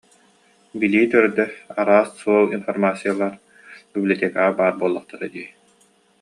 Билии төрдө, араас суол информациялар библиотекаҕа баар буоллахтара дии